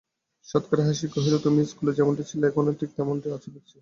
সাতকড়ি হাসিয়া কহিল, তুমি ইস্কুলে যেমনটি ছিলে এখনো ঠিক তেমনটি আছ দেখছি।